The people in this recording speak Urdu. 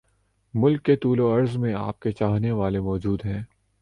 ملک کے طول وعرض میں آپ کے چاہنے والے موجود ہیں